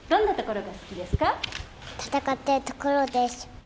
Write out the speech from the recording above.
戦っているところです。